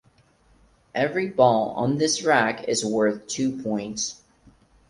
Every ball on this rack is worth two points.